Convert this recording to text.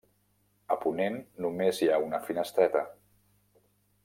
A ponent només hi ha una finestreta.